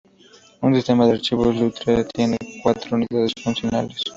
Un sistema de archivos Lustre tiene cuatro unidades funcionales.